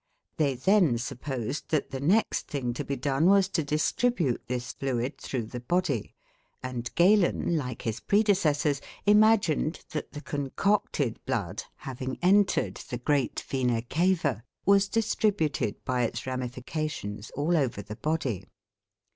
They then supposed that the next thing to be done was to distribute this fluid through the body; and Galen like his predecessors, imagined that the "concocted" blood, having entered the great 'vena cava', was distributed by its ramifications all over the body.